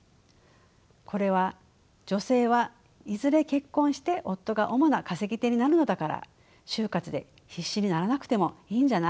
これは「女性はいずれ結婚して夫が主な稼ぎ手になるのだから就活で必死にならなくてもいいんじゃない？